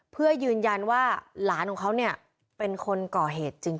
เพื่อยืนยันว่าหลานของเขาเนี่ยเป็นคนก่อเหตุจริง